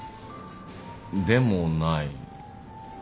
でもない。